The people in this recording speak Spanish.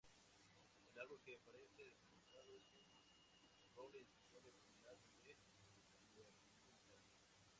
El árbol que aparece representado es un roble, identificado como el Árbol de Guernica.